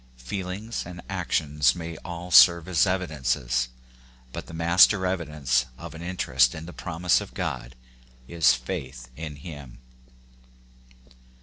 Feelings and actions may all serve as evidences ; but the mas ter evidence of an interest in the promise of God is faith in him.